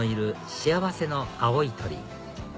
『幸せの青い鳥』